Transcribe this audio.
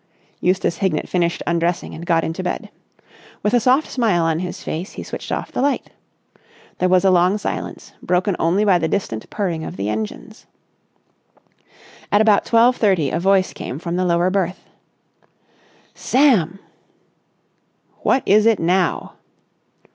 Eustace Hignett finished undressing and got into bed. With a soft smile on his face he switched off the light. There was a long silence, broken only by the distant purring of the engines. At about twelve thirty a voice came from the lower berth. "Sam!" "What is it now?"